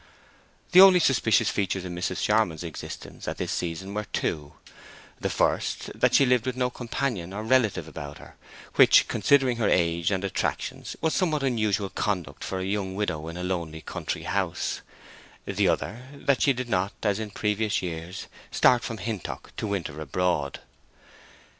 The only suspicious features in Mrs. Charmond's existence at this season were two: the first, that she lived with no companion or relative about her, which, considering her age and attractions, was somewhat unusual conduct for a young widow in a lonely country house; the other, that she did not, as in previous years, start from Hintock to winter abroad.